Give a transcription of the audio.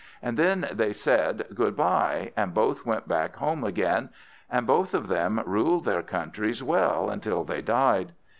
And then they said "Good bye," and both went back home again, and both of them ruled their countries well until they died.